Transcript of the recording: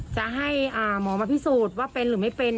จะให้หมอมาพิสูจน์ว่าเป็นหรือไม่เป็น